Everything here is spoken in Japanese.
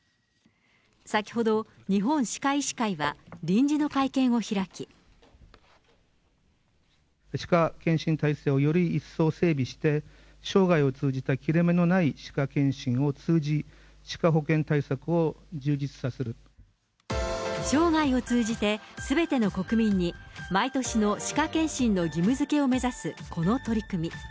先ほど、日本歯科医師会は臨時の会見を開き。歯科健診体制をより一層整備して、生涯を通じた切れ目のない歯科健診を通じ、歯科保健対策を充実さ生涯を通じて、すべての国民に毎年の歯科健診の義務づけを目指すこの取り組み。